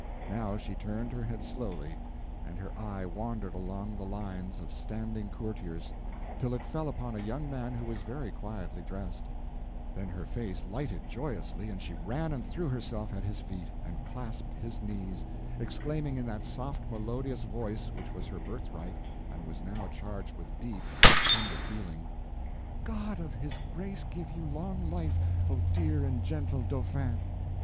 Now she turned her head slowly, and her eye wandered along the lines of standing courtiers till it fell upon a young man who was very quietly dressed; then her face lighted joyously, and she ran and threw herself at his feet, and clasped his knees, exclaiming in that soft melodious voice which was her birthright and was now charged with deep and tender feeling: "God of his grace give you long life, O dear and gentle Dauphin!"